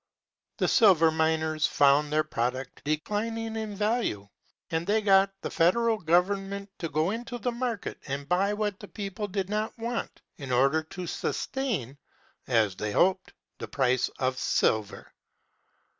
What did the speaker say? The silver miners found their product declining in value, and they got the Federal Government to go into the market and buy what the public did not want, in order to sustain (as they hoped) the price of silver.